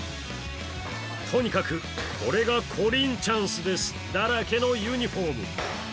とにかく、「これがコリンチャンスです」だらけのユニフォーム。